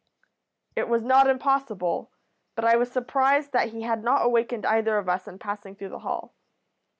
"It was not impossible, but I was surprised that he had not awakened either of us in passing through the hall.